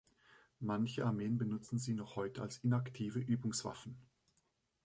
Manche Armeen benutzen sie noch heute als inaktive Übungswaffen.